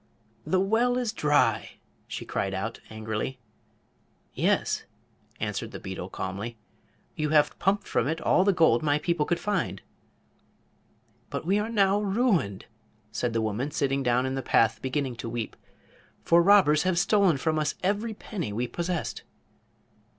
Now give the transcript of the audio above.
"The well is dry!" she cried out, angrily. "Yes," answered the beetle, calmly, "you have pumped from it all the gold my people could find." "But we are now ruined," said the woman, sitting down in the path beginning to weep; "for robbers have stolen from us every penny we possessed."